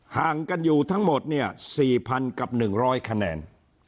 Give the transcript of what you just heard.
ห่างกันอยู่ทั้งหมดเนี่ย๔๐๐กับ๑๐๐คะแนน